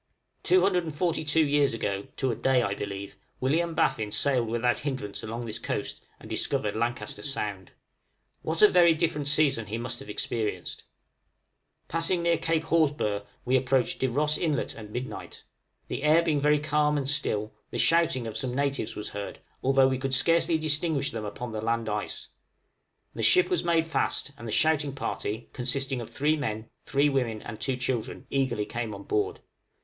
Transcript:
Two hundred and forty two years ago to a day, I believe William Baffin sailed without hindrance along this coast and discovered Lancaster Sound. What a very different season he must have experienced! {VISIT OF NATIVES.} Passing near Cape Horsburgh we approached De Ros Islet at midnight. The air being very calm, and still, the shouting of some natives was heard, although we could scarcely distinguish them upon the land ice. The ship was made fast, and the shouting party, consisting of three men, three women, and two children, eagerly came on board.